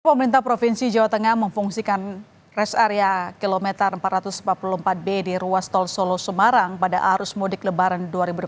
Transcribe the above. pemerintah provinsi jawa tengah memfungsikan res area kilometer empat ratus empat puluh empat b di ruas tol solo semarang pada arus mudik lebaran dua ribu delapan belas